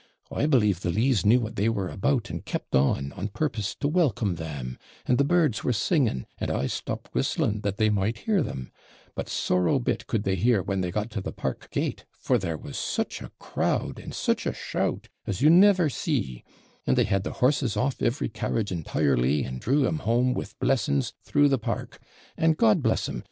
I believe the leaves knew what they were about, and kept on, on purpose to welcome them; and the birds were singing, and I stopped whistling, that they might hear them; but sorrow bit could they hear when they got to the park gate, for there was such a crowd, and such a shout, as you never see and they had the horses off every carriage entirely, and drew'em home, with, blessings, through the park. And, God bless 'em!